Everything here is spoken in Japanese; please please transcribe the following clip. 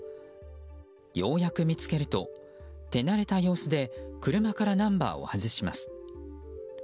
ようやく見つけると手慣れた様子で車からナンバーを外します。